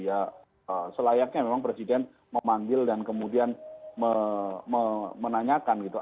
ya selayaknya memang presiden memanggil dan kemudian menanyakan gitu